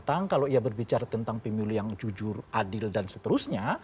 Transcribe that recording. tentang kalau ia berbicara tentang pemilu yang jujur adil dan seterusnya